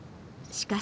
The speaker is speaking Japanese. しかし、